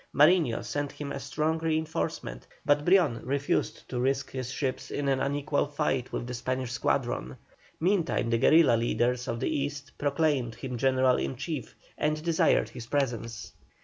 Mariño sent him a strong reinforcement, but Brion refused to risk his ships in an unequal fight with the Spanish squadron. Meantime the guerilla leaders of the East proclaimed him general in chief, and desired his presence.